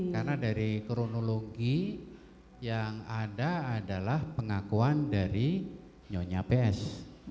karena dari kronologi yang ada adalah pengakuan dari nyonya ps